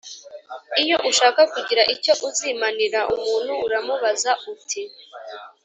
Iyo ushaka kugira icyo uzimanira umuntu uramubaza uti